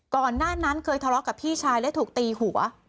ก่อนหน้านั้นเคยทะเลาะกับพี่ชายและถูกตีหัว